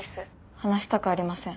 話したくありません。